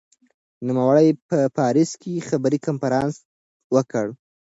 نوموړي په پاریس کې خبري کنفرانس وکړ.